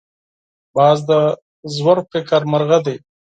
باز د ژور فکر مرغه دی